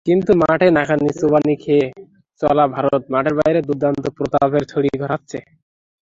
কিন্তু মাঠে নাকানি-চুবানি খেয়ে চলা ভারত মাঠের বাইরে দোর্দণ্ড প্রতাপেই ছড়ি ঘোরাচ্ছে।